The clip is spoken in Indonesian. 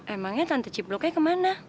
emangnya tante cipluknya kemana